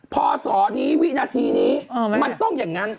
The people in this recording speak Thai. พอสอนี้วินาทีนี้มันต้องอย่างนั้น